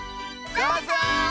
どうぞ！